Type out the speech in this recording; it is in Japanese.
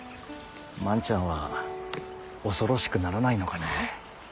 万ちゃんは恐ろしくならないのかね？